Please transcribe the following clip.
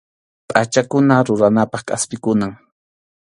Pʼachakuna ruranapaq kʼaspikunam.